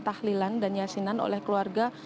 tahlilan dan yasinan oleh keluarga